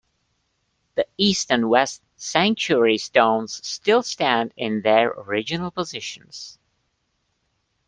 The east and west 'sanctuary stones' still stand in their original positions.